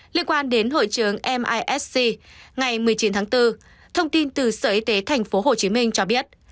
liên quan đến hội trường misc ngày một mươi chín tháng bốn thông tin từ sở y tế tp hcm cho biết